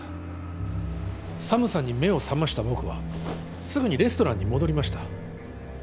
寒さに目を覚ました僕はすぐにレストランに戻りました。